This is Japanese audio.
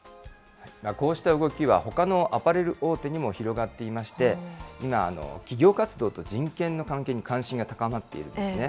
こうした動きはほかのアパレル大手にも広がっていまして、今、企業活動と人権の関係に関心が高まっているんですね。